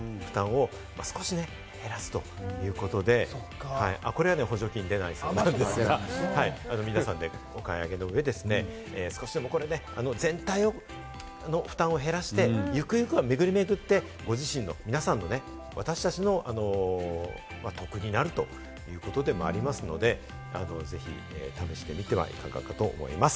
宅配の方の負担を少しね、減らすということで、これは補助金でないそうですが、皆さん、お買い上げの上ですね、少しでもこれ全体の負担を減らして、ゆくゆくは、めぐりめぐってご自身の皆さんのですね、私達の得になるということでもありますので、ぜひ試してみてはいかがかと思います。